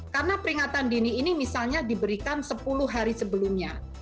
karena peringatan dini ini misalnya diberikan sepuluh hari sebelumnya